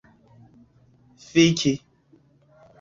fiki